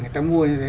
người ta mua như thế